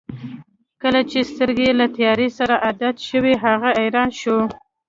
کله چې سترګې یې له تیارې سره عادت شوې هغه حیران شو.